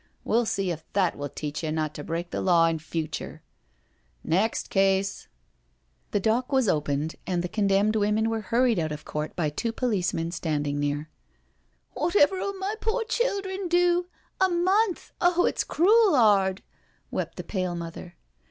We'll see if that will teach you not to break the law in future. Next easel" Tbe 4ock was opened, and the condemned women BEFORE THE MAGISTRATE 95 were hurried out of court by two policemen standing near. " Whatever II my pore childern do. A month I Oh, it's crool *ard/' wept the pale mother.